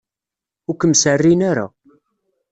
Ur kem-serrin ara.